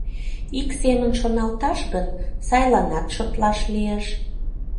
Ик семын шоналташ гын, сайланат шотлаш лиеш.